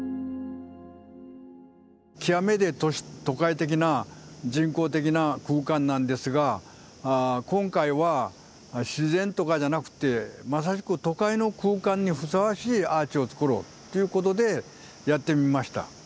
極めて都会的な人工的な空間なんですが今回は自然とかじゃなくてまさしく都会の空間にふさわしいアーチを作ろうということでやってみました。